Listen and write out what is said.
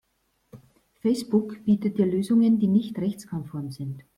Facebook bietet dir Lösungen die nicht rechtskonform sind.